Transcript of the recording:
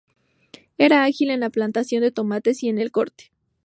Era ágil en la plantación de tomates y en el corte.